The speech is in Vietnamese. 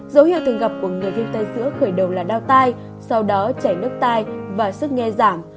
dấu hiệu thường gặp của người viêm tay dữa khởi đầu là đau tay sau đó chảy nước tay và sức nghe giảm